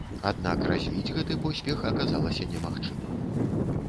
Аднак развіць гэты поспех аказалася немагчыма.